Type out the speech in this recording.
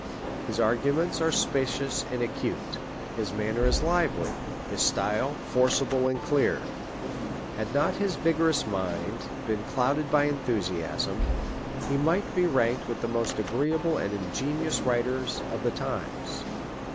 His arguments are specious and acute ; his manner is lively ; his style, forcible and clear :— had not his vigorous mind been clouded by enthusiasm, he might be ranked with the mostag reeable and ingenious writers of the times.